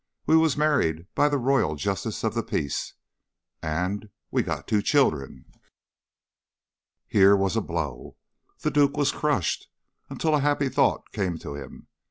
"We was married by the Royal Justice of the Peace and we got two children." Here was a blow! The duke was crushed, until a happy thought came to him.